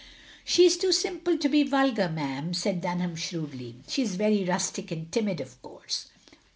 *'" She 's too simple to be vulgar, ma'am, " said Dunham, shrewdly. "She is very rustic and timid, of course."